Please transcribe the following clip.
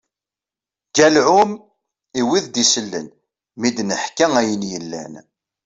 Galɛum i wid d-isellen, mi d-neḥka ayen yellan.